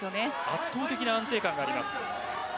圧倒的な安定感があります。